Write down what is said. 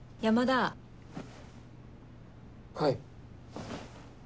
はい。